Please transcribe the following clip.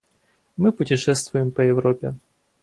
Мы путешествуем по Европе.